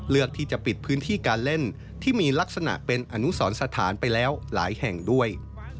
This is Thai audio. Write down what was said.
เลือกที่จะปิดพื้นที่การเล่นที่มีลักษณะเป็นอนุสรสถานไปแล้วหลายแห่งด้วย